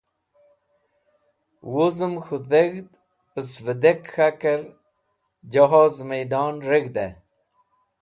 Wuzem K̃hu Dheg̃hd Pisvidek K̃haker Johoz Maidon reg̃hde